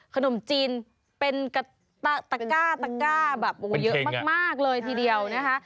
ขนมจีนเป็นตะก้าแบบเยอะมากเลยทีเดียวนะคะ